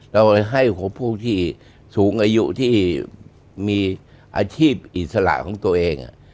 เราเลยให้พวกที่สูงอายุที่มีอาชีพอิสระของตัวเอง